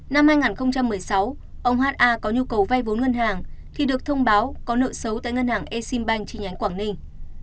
năm hai nghìn một mươi sáu ông ha có nhu cầu vay vốn ngân hàng thì được thông báo có nợ xấu tại ngân hàng exim bank chi nhánh quảng ninh